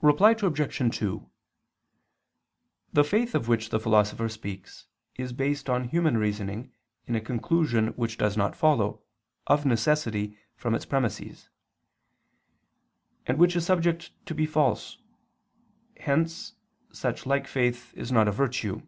Reply Obj. 2: The faith of which the Philosopher speaks is based on human reasoning in a conclusion which does not follow, of necessity, from its premisses; and which is subject to be false: hence such like faith is not a virtue.